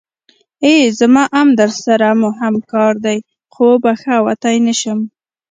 ای زما ام درسره موهم کار دی خو وبښه وتی نشم.